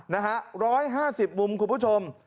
นะฮะ๑๕๐มุมคุณผู้ชม